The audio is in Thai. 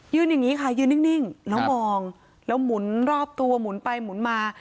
อย่างนี้ค่ะยืนนิ่งแล้วมองแล้วหมุนรอบตัวหมุนไปหมุนมา